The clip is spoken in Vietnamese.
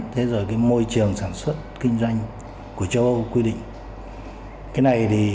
thế rồi môi trường sản xuất kinh doanh của châu âu